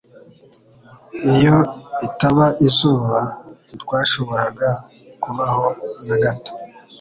Iyo itaba izuba ntitwashoboraga kubaho na gato